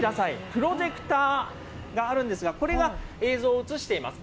プロジェクターがあるんですが、これが映像を映しています。